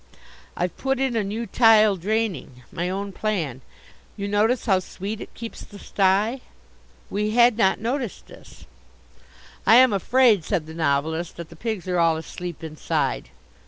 "I've put in a new tile draining my own plan. You notice how sweet it keeps the stye." We had not noticed this. "I am afraid," said the Novelist, "that the pigs are all asleep inside."